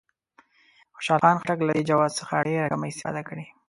خوشحال خان خټک له دې جواز څخه ډېره کمه استفاده کړې.